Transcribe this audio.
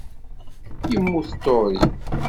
Yemmut Tory.